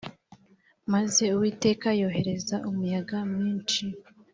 Maze Uwiteka yohereza umuyaga mwinshi